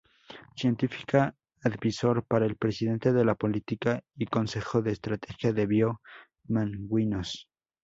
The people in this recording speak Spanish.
Científica Advisor para el Presidente de la Política y Consejo de Estrategia de Bio-Manguinhos.